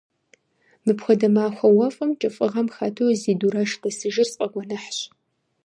Мыпхуэдэ махуэ уэфӀым кӀыфӀыгъэм хэту зи дурэш дэсыжыр сфӀэгуэныхьщ.